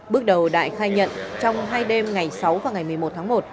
bước đầu đại khai nhận trong hai đêm ngày sáu và ngày một mươi một tháng một